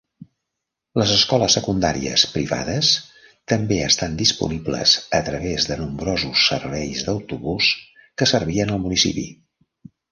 Les escoles secundàries privades també estan disponibles a través de nombrosos serveis d'autobús que servien el municipi.